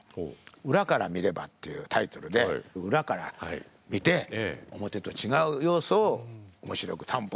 「裏から見れば」っていうタイトルで裏から見て表と違う要素を面白く探訪しろっていう。